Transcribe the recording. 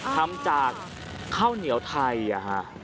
ทำจากข้าวเหนียวไทย